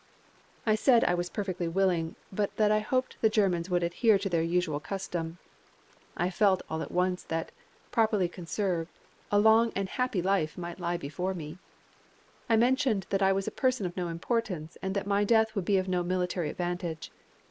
I said I was perfectly willing, but that I hoped the Germans would adhere to their usual custom. I felt all at once that, properly conserved, a long and happy life might lie before me. I mentioned that I was a person of no importance, and that my death would be of no military advantage.